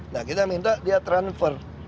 nah kita minta dia transfer